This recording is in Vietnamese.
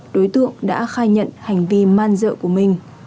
đối tượng đã khai nhận hành vi man dợ của mình